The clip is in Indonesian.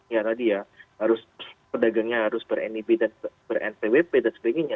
ya tadi ya pedagangnya harus ber npwp dan sebagainya